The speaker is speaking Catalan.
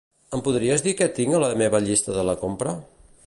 Em podries dir què tinc a la meva llista de la compra?